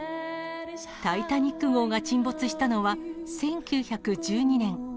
タイタニック号が沈没したのは１９１２年。